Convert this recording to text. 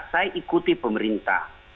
saya ikuti pemerintah